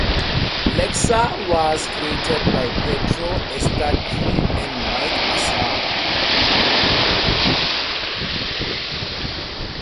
Lexar was created by Petro Estakhri and Mike Assar.